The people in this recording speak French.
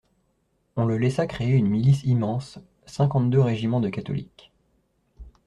On le laissa créer une milice immense, cinquante-deux régiments de catholiques.